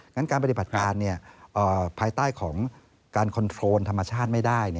งั้นการปฏิบัติการภายใต้ของการคอนโทรลธรรมชาติไม่ได้